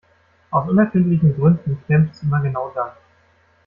Aus unerfindlichen Gründen klemmt es immer genau dann.